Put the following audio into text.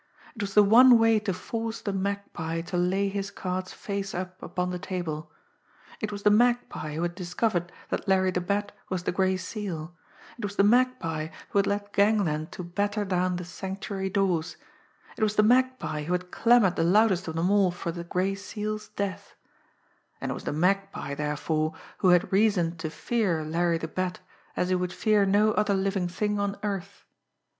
It was the one way to force the Magpie to lay his cards face up upon the table. It was the Magpie who had discovered that Larry the Bat was the Gray Seal; it was the Magpie who had led gangland to batter down the Sanctuary doors; it was the Magpie who had clamoured the loudest of them all for the Gray Seal's death and it was the Magpie, therefore, who had reason to fear Larry the Bat as he would fear no other living thing on earth.